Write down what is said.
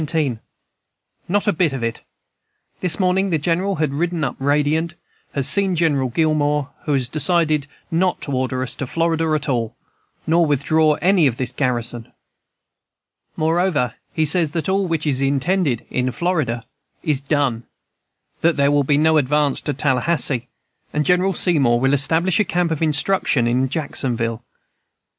"Not a bit of it! This morning the General has ridden up radiant, has seen General Gillmore, who has decided not to order us to Florida at all, nor withdraw any of this garrison. Moreover, he says that all which is intended in Florida is done, that there will be no advance to Tallahassee, and General Seymour will establish a camp of instruction in Jacksonville.